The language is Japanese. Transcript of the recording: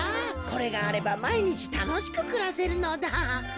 これがあればまいにちたのしくくらせるのだ。